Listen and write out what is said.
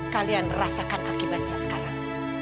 kalian rasakan akibatnya sekarang